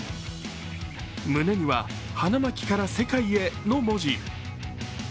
胸には「花巻から世界へ」の文字。